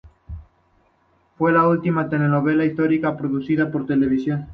Fue la última telenovela histórica producida por Televisa.